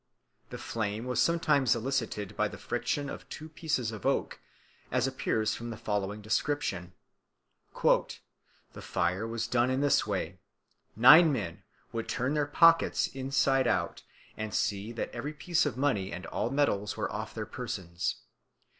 The flame was sometimes elicited by the friction of two pieces of oak, as appears from the following description. "The fire was done in this way. Nine men would turn their pockets inside out, and see that every piece of money and all metals were off their persons.